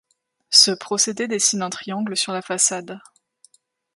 Ce procédé dessine un triangle sur la façade.